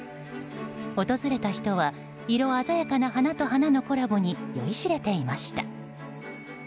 訪れた人は色鮮やかな花と花のコラボに酔いしれていました。